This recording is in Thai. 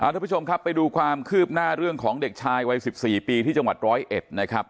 ทุกผู้ชมครับไปดูความคืบหน้าเรื่องของเด็กชายวัย๑๔ปีที่จังหวัดร้อยเอ็ดนะครับ